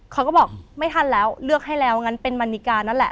เขาก็บอกไม่ทันแล้วเลือกให้แล้วงั้นเป็นมันนิกานั่นแหละ